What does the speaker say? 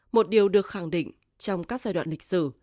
một điều được khẳng định trong các giai đoạn lịch sử